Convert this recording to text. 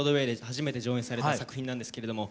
初めて上演された作品なんですけれども。